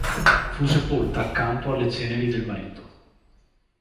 Fu sepolta accanto alle ceneri del marito.